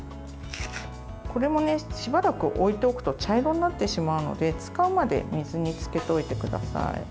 これもしばらく置いておくと茶色になってしまうので使うまで水につけておいてください。